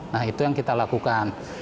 nah itu yang kita lakukan